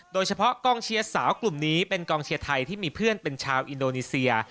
โดยเฉพาะกองเชียร์สาวกลุ่มนี้เป็นกองเชียร์ไทยที่มีเพื่อนเป็นชาวอินโดนีเซีย